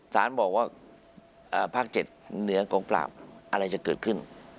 สารบอกว่าภาค๗เหนือกองปราบอะไรจะเกิดขึ้น